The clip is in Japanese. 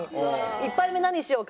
「１杯目何にしようか？」